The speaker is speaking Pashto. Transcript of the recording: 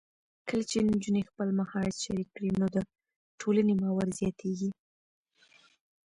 کله چې نجونې خپل مهارت شریک کړي، نو د ټولنې باور زیاتېږي.